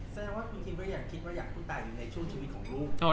แสดงว่าคุณคิดว่าอยากตายอยู่ในช่วงชีวิตของลูก